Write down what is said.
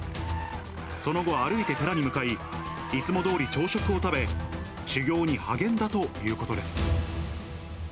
その後、歩いて寺に向かい、いつもどおり朝食を食べ、修行に励んだということです。